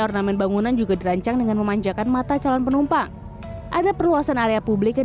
ornamen bangunan juga dirancang dengan memanjakan mata calon penumpang ada perluasan area publik yang